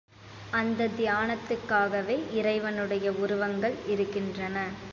அந்தத் தியானத்துக்காகவே இறைவனுடைய உருவங்கள் இருக்கின்றன.